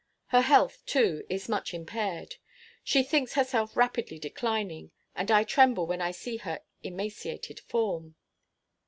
Her health, too, is much impaired. She thinks herself rapidly declining, and I tremble when I see her emaciated form.